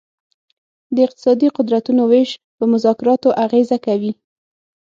د اقتصادي قدرتونو ویش په مذاکراتو اغیزه کوي